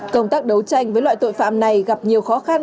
công tác đấu tranh với loại tội phạm này gặp nhiều khó khăn